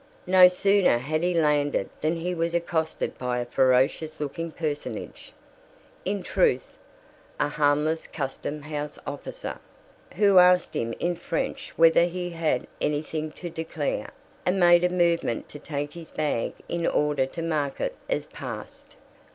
No sooner had he landed than he was accosted by a ferocious looking personage (in truth, a harmless custom house officer), who asked him in French whether he had anything to declare, and made a movement to take his bag in order to mark it as "passed."